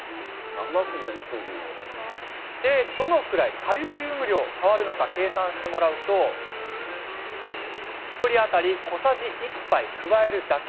どのくらいカルシウム量が変わるのか計算してもらうと１人当たり小さじ１杯加えるだけ。